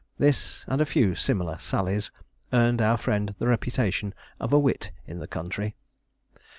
This, and a few similar sallies, earned our friend the reputation of a wit in the country.